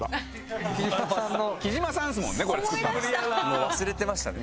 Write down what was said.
もう忘れてましたね。